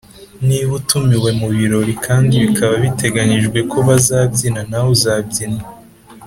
Niba utumiwe mu birori kandi bikaba biteganyijwe ko bazabyina nawe uzabyina